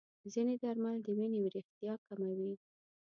ځینې درمل د وینې وریښتیا کموي.